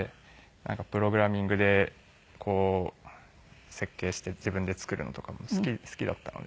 なんかプログラミングでこう設計して自分で作るのとかも好きだったので。